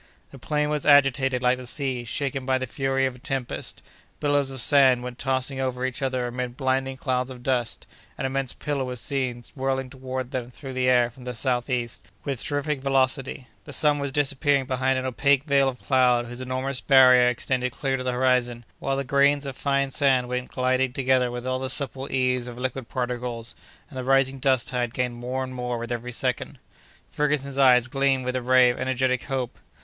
The plain was agitated like the sea shaken by the fury of a tempest; billows of sand went tossing over each other amid blinding clouds of dust; an immense pillar was seen whirling toward them through the air from the southeast, with terrific velocity; the sun was disappearing behind an opaque veil of cloud whose enormous barrier extended clear to the horizon, while the grains of fine sand went gliding together with all the supple ease of liquid particles, and the rising dust tide gained more and more with every second. Ferguson's eyes gleamed with a ray of energetic hope.